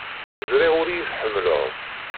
Ẓriɣ ur iyi-tḥemmleḍ.